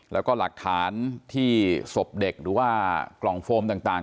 แล้วก็หลักฐานที่ศพเด็กหรือว่ากล่องโฟมต่าง